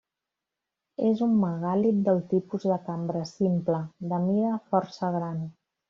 És un megàlit del tipus de cambra simple, de mida força gran.